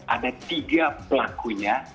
ada tiga pelakunya